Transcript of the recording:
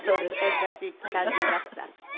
優しい感じだった。